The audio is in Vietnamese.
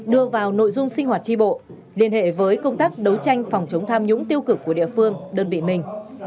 đưa vào nội dung sinh hoạt tri bộ liên hệ với công tác đấu tranh phòng chống tham nhũng tiêu cực của địa phương đơn vị mình